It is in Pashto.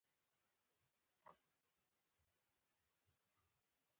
ژبپوهان د هغه ژبنې پديده